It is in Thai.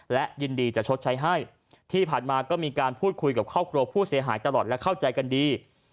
และยินดีจะชดใช้ให้ที่ผ่านมาก็มีการพูดคุยกับครอบครัวผู้เสียหายตลอดและเข้าใจกันดี